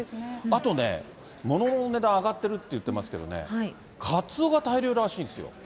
あとね、ものの値段、上がってるっていってますけどね、カツオが大漁らしいんですよ。